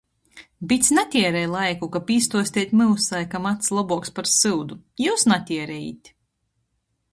Bits natierej laiku, kab īstuosteit myusai, ka mads lobuoks par syudu... jius natierejit!